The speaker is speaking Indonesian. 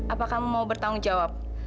apa kamu mau bertanggung jawab